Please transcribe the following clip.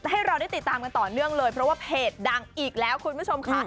ให้เราได้ติดตามกันต่อเนื่องเลยเพราะว่าเพจดังอีกแล้วคุณผู้ชมค่ะ